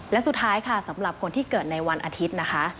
และสุดท้ายค่ะสำหรับคนที่เกิดในวันอาทิตย์นะคะ